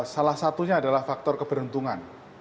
salah satunya adalah faktor keberuntungan